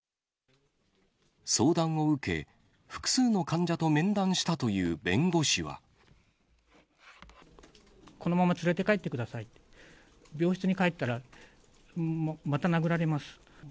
相談を受け、複数の患者と面談しこのまま連れて帰ってくださいと、病室に帰ったら、また殴られます。